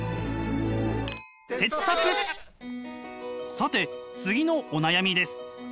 さて次のお悩みです。